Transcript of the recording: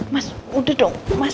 mas udah dong mas